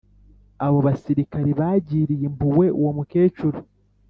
abo basirikare bagiriye impuhwe uwo mukecuru